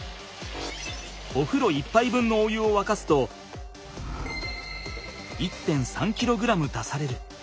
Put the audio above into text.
おふろ１ぱい分のお湯をわかすと１．３ｋｇ出される。